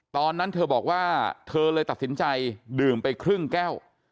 ตอนนั้นเธอบอกว่าเธอเลยตัดสินใจดื่มไปครึ่งแก้ว